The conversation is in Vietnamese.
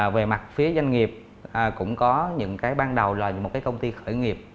về mặt phía doanh nghiệp cũng có những cái ban đầu là một cái công ty khởi nghiệp